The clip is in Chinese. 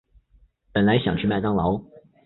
本来想去麦当劳